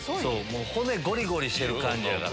骨ゴリゴリしてる感じやから。